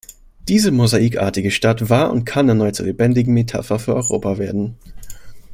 Diese mosaikartige Stadt war und kann erneut zur lebendigen Metapher für Europa werden.